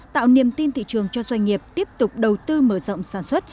tạo niềm tin thị trường cho doanh nghiệp tiếp tục đầu tư mở rộng sản xuất